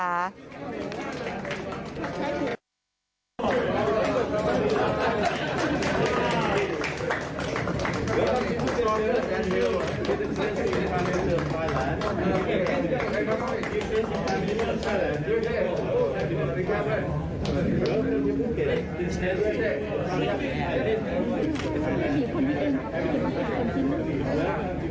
แล้วก็